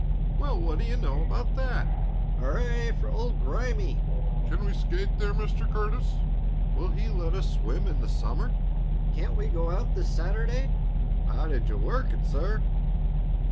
"Well, what do you know about that!" "Hurrah for old Grimey!" "Can we skate there, Mr. Curtis?" "Will he let us swim in the summer?" "Can't we go out this Saturday?" "How did you work it, sir?"